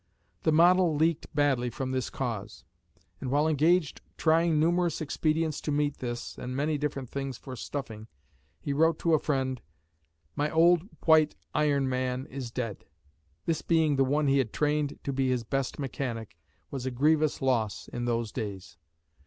The model leaked badly from this cause, and while engaged trying numerous expedients to meet this, and many different things for stuffing, he wrote to a friend, "My old White Iron man is dead." This being the one he had trained to be his best mechanic, was a grievous loss in those days.